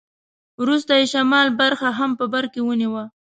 وروسته یې شمال برخه هم په برکې ونیوه.